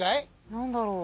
何だろう。